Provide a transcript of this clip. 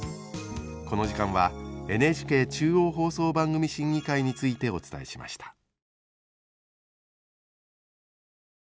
この時間はＮＨＫ中央放送番組審議会についてお伝えしました。